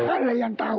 ada yang tahu